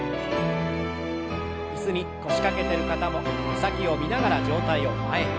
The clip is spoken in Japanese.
椅子に腰掛けてる方も手先を見ながら上体を前に。